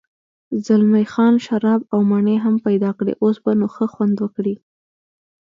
زلمی خان شراب او مڼې هم پیدا کړې، اوس به نو ښه خوند وکړي.